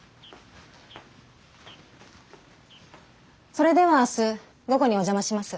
それでは明日午後にお邪魔します。